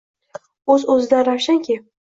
O'z-o'zidan ravshanki